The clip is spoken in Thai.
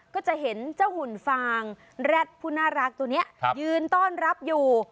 ก็จะเห็นเจ้าหุ่นฟางแร็ดผู้น่ารักตัวนี้ยืนต้อนรับอยู่